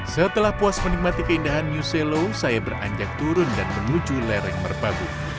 setelah puas menikmati keindahan new selo saya beranjak turun dan menuju lereng merpagu